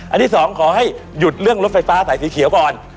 อันนี้สองขอให้หยุดเรื่องรถไฟฟ้าสายสีเขียวก่อน